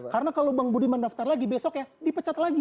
karena kalau bang budiman daftar lagi besok ya dipecat lagi